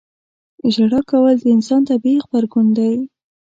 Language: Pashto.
• ژړا کول د انسان طبیعي غبرګون دی.